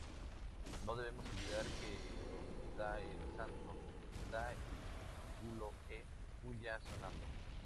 No debemos olvidar que donde está el Santo, está el culo e' puya sonando.